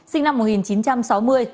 sinh năm một nghìn chín trăm sáu mươi